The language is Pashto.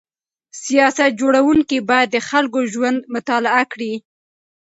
سیاست جوړونکي باید د خلکو ژوند مطالعه کړي.